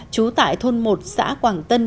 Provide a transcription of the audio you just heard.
trú tại thôn một xã quảng tân